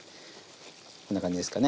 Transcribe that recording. こんな感じですかね。